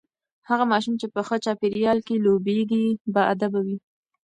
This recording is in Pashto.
هغه ماشوم چې په ښه چاپیریال کې لوییږي باادبه وي.